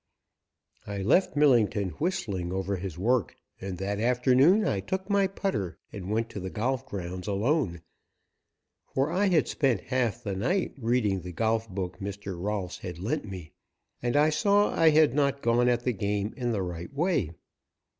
I left Millington whistling over his work, and that afternoon I took my putter and went to the golf grounds alone, for I had spent half the night reading the golf book Mr. Rolfs had lent me, and I saw I had not gone at the game in the right way.